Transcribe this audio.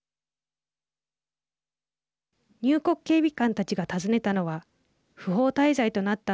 入国警備官たちが訪ねたのは不法滞在となった